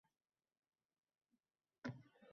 Pushaymonlikdan dod degim, uvvos solib yig`lagim keldi